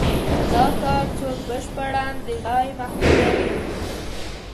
دا کار خوک بشپړاً د ځای محدودوي.